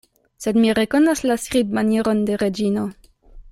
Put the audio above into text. Sed mi rekonas la skribmanieron de Reĝino!